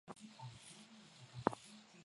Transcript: Kuku alitaga mayai mengi